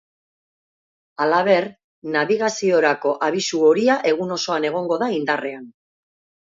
Halaber, nabigaziorako abisu horia egun osoan egongo da indarrean.